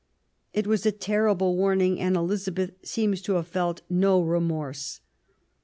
It was a terrible warn ing, and Elizabeth seems to have felt no remorse.